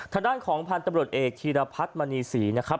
ทางด้านของพันธุ์ตำรวจเอกธีรพัฒน์มณีศรีนะครับ